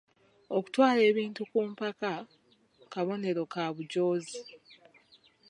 Okutwala ebintu ku mpaka kabonero ka bujoozi.